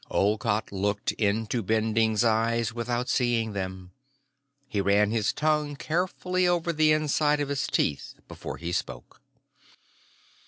Olcott looked into Bending's eyes without seeing them. He ran his tongue carefully over the inside of his teeth before he spoke.